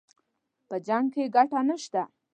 په جـنګ كښې ګټه نشته